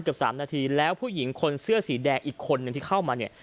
เกือบสามนาทีแล้วผู้หญิงคนเสื้อสีแดงอีกคนนึงที่เข้ามาเนี่ย